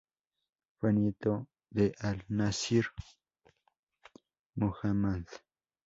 Fue nieto de Al-Nasir Muhammad.